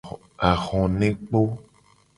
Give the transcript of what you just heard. Ahonekpo.